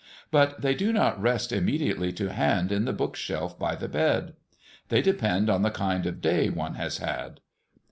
But they do not rest immediately to hand in the book shelf by the bed. They depend on the kind of day one has had.